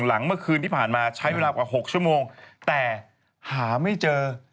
เมื่อคืนที่ผ่านมาใช้เวลากว่า๖ชั่วโมงแต่หาไม่เจอ